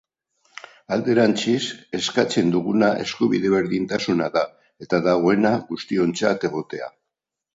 Alderantziz, eskatzen duguna eskubide berdintasuna da, eta dagoena, guztiontzat egotea.